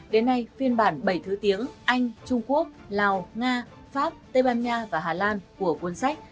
đến nay phiên bản bảy thứ tiếng anh trung quốc lào nga pháp tây ban nha và hà lan của cuốn sách